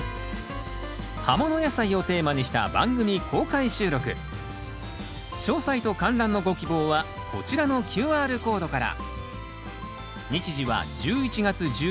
葉もの野菜をテーマにした番組公開収録詳細と観覧のご希望はこちらのＱＲコードから。